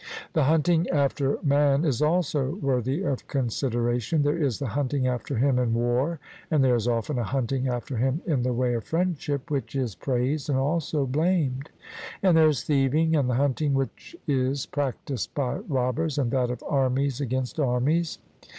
The hunting after man is also worthy of consideration; there is the hunting after him in war, and there is often a hunting after him in the way of friendship, which is praised and also blamed; and there is thieving, and the hunting which is practised by robbers, and that of armies against armies.